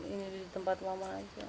ini di tempat mama aja